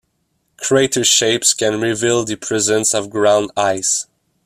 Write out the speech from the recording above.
Crater shapes can reveal the presence of ground ice.